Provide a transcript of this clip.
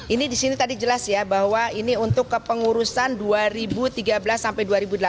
ini di sini tadi jelas ya bahwa ini untuk kepengurusan dua ribu tiga belas sampai dua ribu delapan belas